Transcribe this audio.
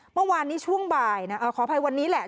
เมื่อวานนี้ช่วงบ่ายนะขออภัยวันนี้แหละ